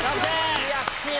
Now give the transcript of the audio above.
悔しいな。